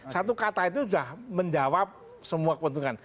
satu kata itu sudah menjawab semua keuntungan